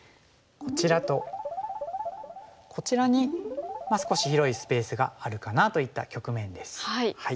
こちらとこちらに少し広いスペースがあるかなといった局面です。